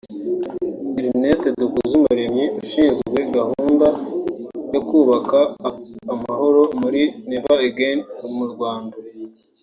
Erneste Dukuzumuremyi ushinzwe gahunda ayo kubaka amahoro muri Never Again mu Rwanda